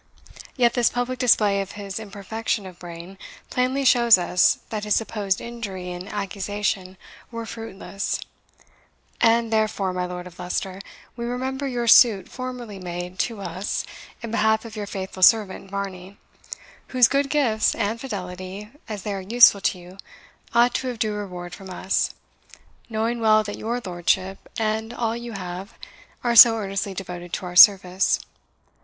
Yet this public display of his imperfection of brain plainly shows us that his supposed injury and accusation were fruitless; and therefore, my Lord of Leicester, we remember your suit formerly made to us in behalf of your faithful servant Varney, whose good gifts and fidelity, as they are useful to you, ought to have due reward from us, knowing well that your lordship, and all you have, are so earnestly devoted to our service.